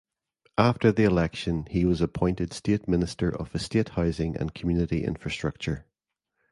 After the election he was appointed State Minister of Estate Housing and Community Infrastructure.